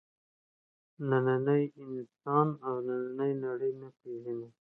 نننی انسان او نننۍ نړۍ نه پېژني.